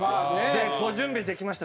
「ご準備できました。